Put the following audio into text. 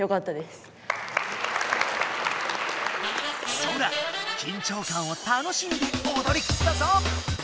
ソラ緊張感を楽しんでおどりきったぞ！